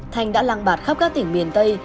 thành đã lăng bạt khắp các tỉnh miền tây